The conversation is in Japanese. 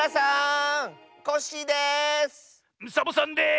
サボさんです！